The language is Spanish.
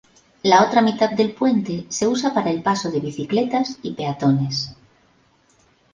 La otra mitad del puente se usa para el paso de bicicletas y peatones.